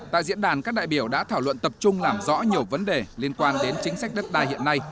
tại diễn đàn các đại biểu đã thảo luận tập trung làm rõ nhiều vấn đề liên quan đến chính sách đất đai hiện nay